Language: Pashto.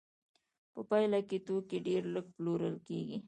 په پایله کې توکي ډېر لږ پلورل کېږي